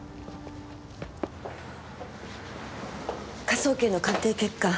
科捜研の鑑定結果